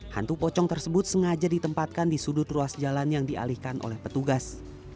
hantu pocong tersebut sengaja ditempatkan di sudut ruas jalan yang dialihkan oleh petugas